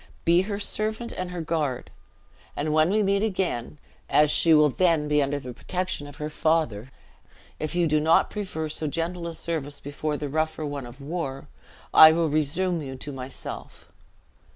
Be her servant and her guard; and when we meet again, as she will then be under the protection of her father, if you do not prefer so gentle a service before the rougher one of war, I will resume you to myself."